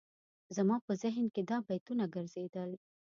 زما په ذهن کې دا بیتونه ګرځېدل.